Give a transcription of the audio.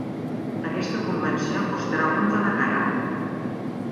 Aquesta convenció costarà un ull de la cara.